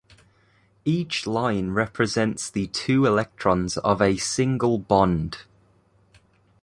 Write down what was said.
Each line represents the two electrons of a single bond.